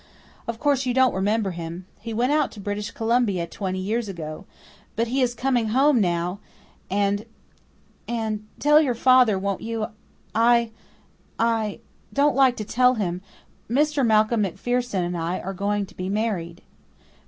"Of course you don't remember him. He went out to British Columbia twenty years ago. But he is coming home now and and tell your father, won't you I I don't like to tell him Mr. Malcolm MacPherson and I are going to be married."